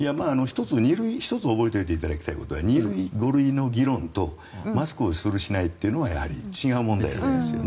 １つ覚えておいていただきたいことは２類、５類の議論とマスクをするしないは違う問題ですよね。